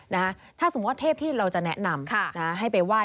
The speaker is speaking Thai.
ถ้าสมมุติว่าเทพที่เราจะแนะนำให้ไปไหว้